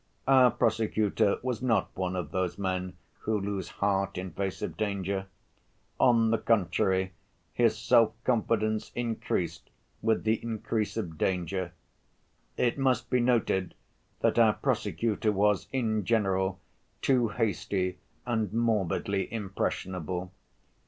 Our prosecutor was not one of those men who lose heart in face of danger. On the contrary, his self‐confidence increased with the increase of danger. It must be noted that our prosecutor was in general too hasty and morbidly impressionable.